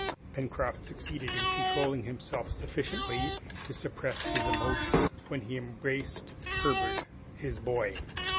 Pencroft succeeded in controlling himself sufficiently to suppress his emotion when he embraced Herbert, his boy!